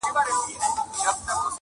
په دا ماته ژبه چاته پیغام ورکړم٫